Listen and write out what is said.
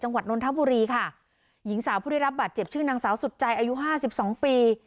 นนทบุรีค่ะหญิงสาวผู้ได้รับบาดเจ็บชื่อนางสาวสุดใจอายุห้าสิบสองปี